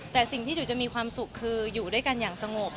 แต่สิ่งที่จุ๋ยจะมีความสุขคืออยู่ด้วยกันอย่างสงบ